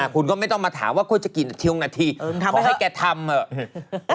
คุณก็ไม่ต้องมาถามว่าคุณจะกี่นาทีขอให้แกทำ